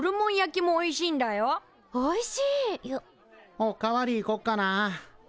お代わり行こっかな。